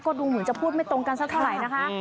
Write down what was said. ก็ดูเหมือนจะพูดไม่ตรงกันสักเท่าไหร่นะคะ